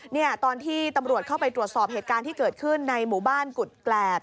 เนี่ยตอนที่ตำรวจเข้าไปตรวจสอบเหตุการณ์ที่เกิดขึ้นในหมู่บ้านกุฎแกรบ